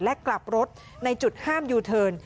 และกลับรถในจุดห้ามยูเทิร์น